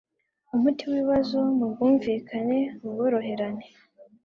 umuti w ibibazo mu bwumvikane ubworoherane